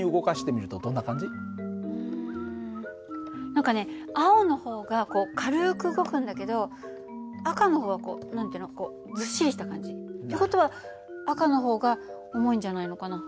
何かね青の方がこう軽く動くんだけど赤の方はこう何て言うのずっしりした感じ。って事は赤の方が重いんじゃないのかな。